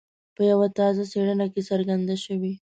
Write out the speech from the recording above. په یوه تازه څېړنه کې څرګنده شوي.